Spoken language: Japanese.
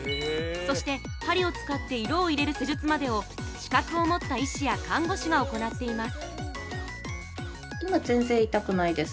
そして、針を使って色を入れる施術までを資格を持った医師や看護師が行っています。